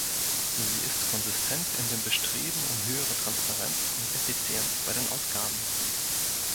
Sie ist konsistent in dem Bestreben um höhere Transparenz und Effizienz bei den Ausgaben.